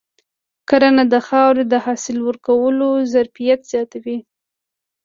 کرنه د خاورې د حاصل ورکولو ظرفیت زیاتوي.